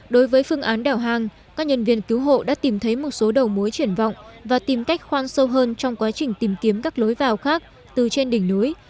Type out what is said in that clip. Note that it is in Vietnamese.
đối với phương án đảo hang các nhân viên cứu hộ đã tìm thấy một số đầu mối triển vọng và tìm cách khoan sâu hơn trong quá trình tìm kiếm các lối vào khác từ trên đỉnh núi